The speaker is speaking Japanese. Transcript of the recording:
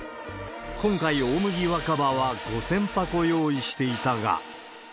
今回、大麦若葉は５０００箱用意していたが。